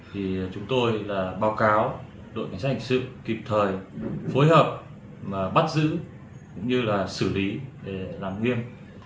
thì chúng tôi là báo cáo đội cảnh sát hành sự kịp thời phối hợp bắt giữ cũng như là xử lý để làm nghiêm